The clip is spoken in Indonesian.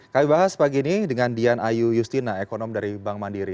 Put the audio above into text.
kami bahas pagi ini dengan dian ayu justina ekonom dari bank mandiri